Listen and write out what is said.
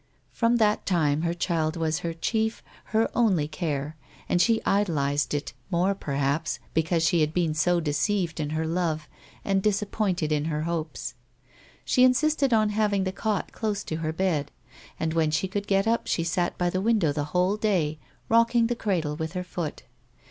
From that time her child was her chief, her oidy care, and she idolised it the more, perhaps, because she had been so deceived in her love and disappointed in her hopes. She insisted on having the cot close to her bed, and, when she could get up, she sat by the window the whole day rocking the cradle with her foot.